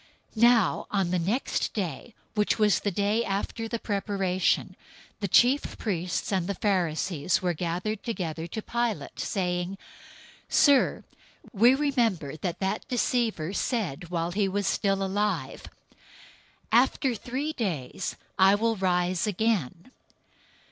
027:062 Now on the next day, which was the day after the Preparation Day, the chief priests and the Pharisees were gathered together to Pilate, 027:063 saying, "Sir, we remember what that deceiver said while he was still alive: 'After three days I will rise again.'